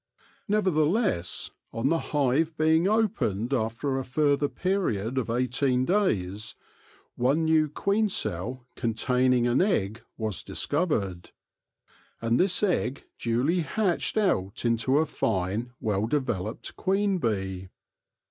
Nevertheless, on the hive being opened after a further period of eighteen days, one new queen cell containing an egg was discovered. And this egg duly hatched out into a fine, well developed queen bee.